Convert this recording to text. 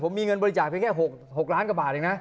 ผมมีเงินบริจาคแค่๖ล้านกว่าบาท